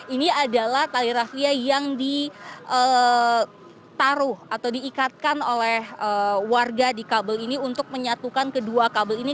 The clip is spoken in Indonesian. ini adalah tali rafia yang ditaruh atau diikatkan oleh warga di kabel ini untuk menyatukan kedua kabel ini